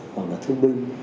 hoặc là thương binh